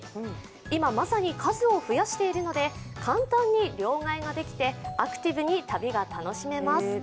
今まさに数を増やしているので簡単に両替ができてアクティブに旅が楽しめます。